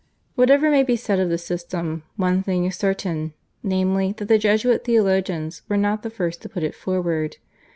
Whatever may be said of the system, one thing is certain, namely, that the Jesuit theologians were not the first to put it forward.